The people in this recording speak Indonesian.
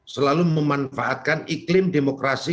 selalu memanfaatkan iklim demokrasi